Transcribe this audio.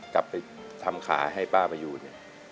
กลับไปทำขาให้ป้าประยูนเนี่ย